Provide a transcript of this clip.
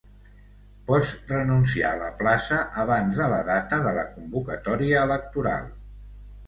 Pots renunciar a la plaça abans de la data de la convocatòria electoral.